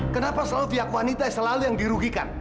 kenapa selalu pihak wanita selalu yang dirugikan